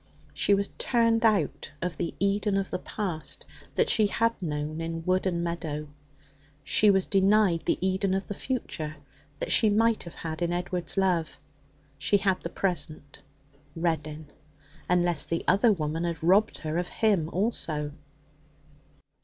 She was turned out of the Eden of the past that she had known in wood and meadow. She was denied the Eden of the future that she might have had in Edward's love. She had the present Reddin unless the other woman had robbed her of him also.